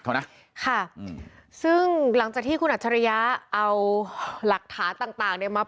เขานะค่ะซึ่งหลังจากที่คุณอัตชรยาเอาหลักฐาต่างมา